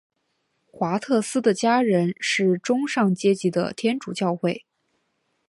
华特斯的家人是中上阶级的天主教会。